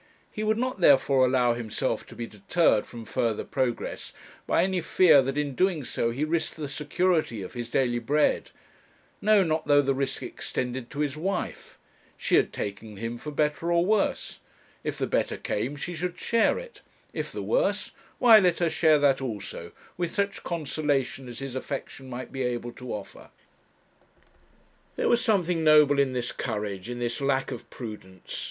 He would not, therefore, allow himself to be deterred from further progress by any fear that in doing so he risked the security of his daily bread; no, not though the risk extended to his wife; she had taken him for better or worse; if the better came she should share it; if the worse, why let her share that also, with such consolation as his affection might be able to offer. There was something noble in this courage, in this lack of prudence.